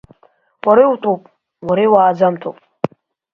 Уара иутәуп, уара иуааӡамҭоуп.